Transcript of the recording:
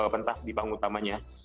pentas di panggung utamanya